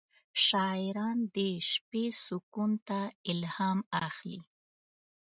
شاعران د شپې سکون ته الهام اخلي.